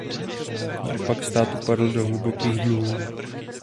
Naopak stát upadl do hlubokých dluhů.